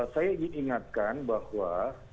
saya diingatkan bahwa